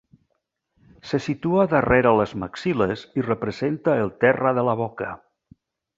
Se situa darrere les maxil·les i representa el terra de la boca.